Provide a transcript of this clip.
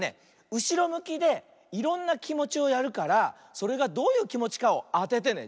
うしろむきでいろんなきもちをやるからそれがどういうきもちかをあててね。